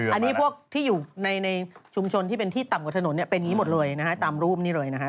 อันนี้พวกที่อยู่ในชุมชนที่เป็นที่ต่ำกว่าถนนเนี่ยเป็นอย่างนี้หมดเลยนะฮะ